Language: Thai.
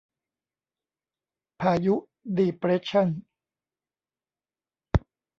พายุดีเปรสชัน